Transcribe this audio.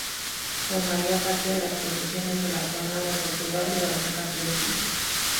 Formaría parte de las posesiones de la Corona de Portugal durante casi dos siglos.